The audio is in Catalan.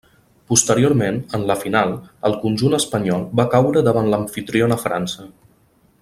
Posteriorment, en la final, el conjunt espanyol va caure davant l'amfitriona França.